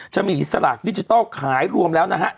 จะมีอิสลากดิจิทัลขายรวมแล้วนะฮะ